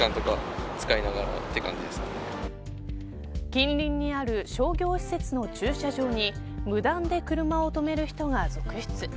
近隣にある商業施設の駐車場に無断で車を止める人が続出。